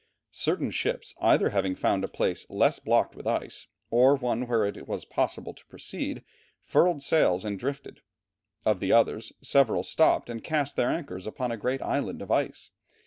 Certain ships, either having found a place less blocked with ice, or one where it was possible to proceed, furled sails and drifted; of the others, several stopped and cast their anchors upon a great island of ice.